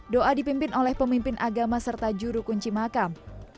doa dipimpin oleh pemimpin agama serta juru kunci makam